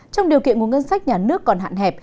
trong điều kiện của ngân sách nhà nước còn hạn hẹp